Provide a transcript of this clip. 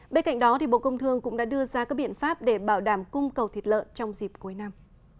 bên cạnh đó bộ công thương cũng đã đưa ra các biện pháp để bảo đảm cung cầu thịt lợn trong dịp cuối năm